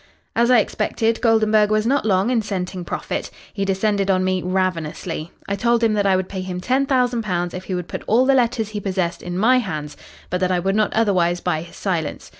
"As I expected, Goldenburg was not long in scenting profit. He descended on me ravenously. I told him that I would pay him ten thousand pounds if he would put all the letters he possessed in my hands but that I would not otherwise buy his silence.